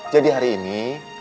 jadi hari ini